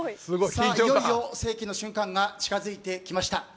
いよいよ世紀の瞬間が近づいてきました。